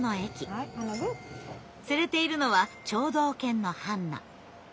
連れているのは聴導犬のハンナ。